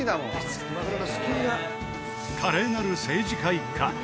華麗なる政治家一家小泉家